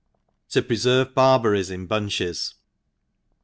1^0 preferve Barberries in Bunches.